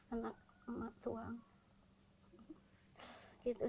anak mak tertuang